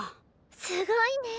すごいね。